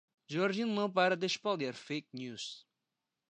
Jorge não para de espalhar fake news